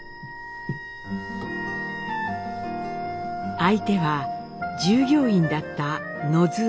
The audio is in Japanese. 相手は従業員だった野津アイ。